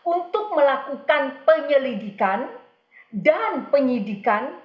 untuk melakukan penyelidikan dan penyidikan